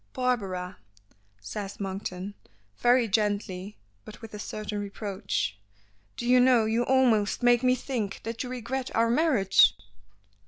"Barbara," says Monkton, very gently, but with a certain reproach, "do you know you almost make me think that you regret our marriage."